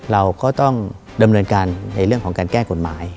เราก็ต้องดำเนินการในเรื่องของการแก้กฎหมาย